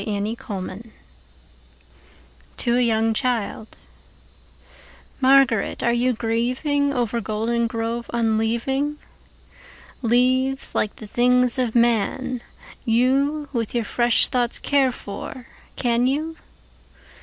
Spring and Fall to a young childMÁRGARÉT, áre you gríevingOver Goldengrove unleaving? Leáves, líke the things of man, youWith your fresh thoughts care for, can you?